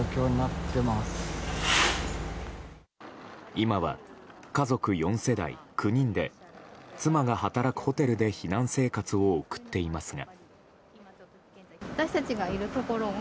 今は、家族４世代９人で妻が働くホテルで避難生活を送っていますが。